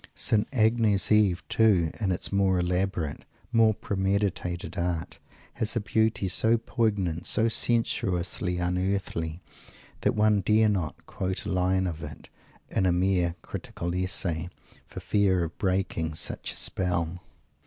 St. Agnes Eve too, in its more elaborate, more premeditated art, has a beauty so poignant, so sensuously unearthly, that one dare not quote a line of it, in a mere "critical essay," for fear of breaking such a spell!